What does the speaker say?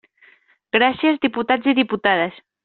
Gràcies, diputats i diputades.